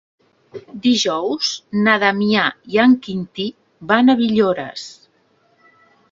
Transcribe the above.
Dijous na Damià i en Quintí van a Villores.